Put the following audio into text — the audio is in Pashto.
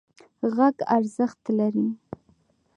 غږ ارزښت لري.